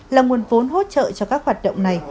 là nguồn vốn hỗ trợ cho các hoạt động này